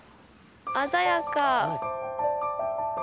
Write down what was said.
鮮やか。